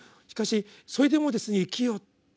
しかし「それでも生きよ」。